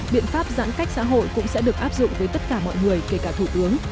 biện pháp giãn cách xã hội cũng sẽ được áp dụng với tất cả mọi người kể cả thủ tướng